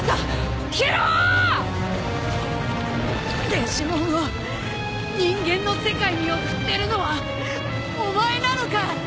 デジモンを人間の世界に送ってるのはお前なのか？